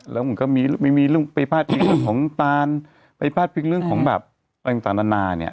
แล้วมันก็มีเรื่องปริพาทเพียงเรื่องของตานตานาเนี่ย